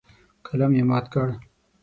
قلم یې مات کړ.